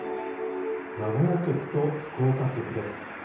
名古屋局と福岡局です。